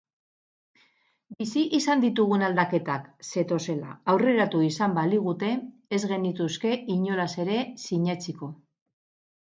Bizi izan ditugun aldaketak zetozela aurreratu izan baligute ez genituzke inolaz ere sinetsiko.